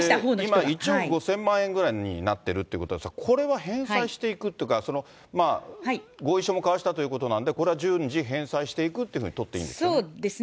今、１億５０００万円ぐらいになっているということなんですが、これは返済していくっていうか、合意書も交わしたということなんで、これは順次返済していくっていうふうに取っていいんですか？